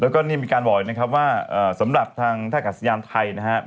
แล้วก็นี่มีการบอกอีกนะครับว่าสำหรับทางท่ากัสยานไทยนะครับ